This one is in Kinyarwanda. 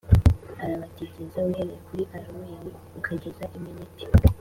Arabatikiza uhereye kuri aroweri ukageza i miniti